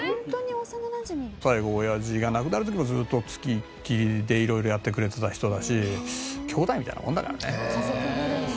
最後おやじが亡くなる時もずっと付きっきりで色々やってくれてた人だし兄弟みたいなもんだからね。